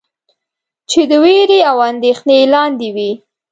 چې د وېرې او اندېښنې لاندې وئ.